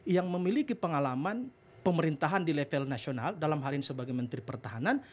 yang memiliki pengalaman pemerintahan di level nasional dalam hal ini sebagai menteri pertahanan